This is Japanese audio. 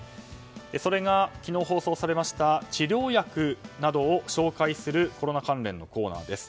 それが、昨日放送された治療薬などを紹介するコロナ関連のコーナーです。